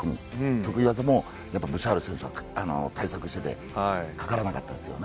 得意技もブシャール選手は対策しててかからなかったですよね。